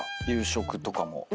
夕食とかも。